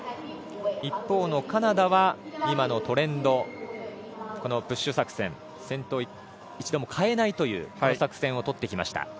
一方のカナダは今のトレンドプッシュ作戦先頭を一度も変えないという作戦をとってきました。